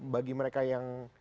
bagi mereka yang